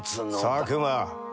佐久間。